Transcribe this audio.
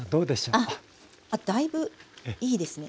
あっだいぶいいですね。